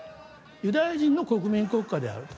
ユダヤ人の国民国家であると。